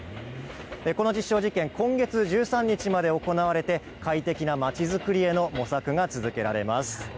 この実証実験、今月１３日まで行われて、快適な街作りへの模索が続けられます。